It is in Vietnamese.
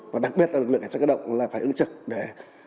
và đặc biệt là lực lượng cảnh sát cơ động là phải ứng trực để